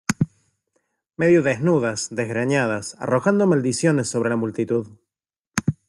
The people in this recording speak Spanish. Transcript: medio desnudas, desgreñadas , arrojando maldiciones sobre la multitud